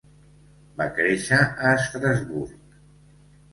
Va créixer a Estrasburg.